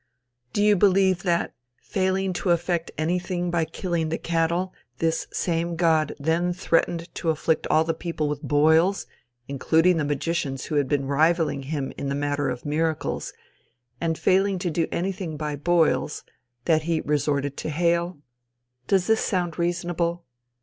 Do you believe that, failing to effect anything by killing the cattle, this same God then threatened to afflict all the people with boils, including the magicians who had been rivaling him in the matter of miracles; and failing to do anything by boils, that he resorted to hail? Does this sound reasonable?